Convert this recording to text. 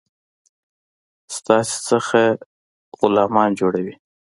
ستاسي څخه غلامان جوړوي.